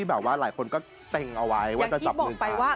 หลังจากชี่จอเพื่อจะจับมือออกกำหนด